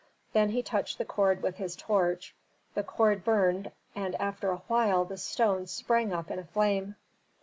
Then he touched the cord with his torch, the cord burned and after a while the stone sprang up in a flame.